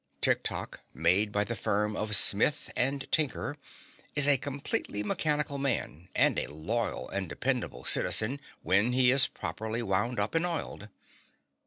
Tik Tok, made by the firm of Smith and Tinker, is a completely mechanical man and a loyal and dependable citizen when he is properly wound up and oiled.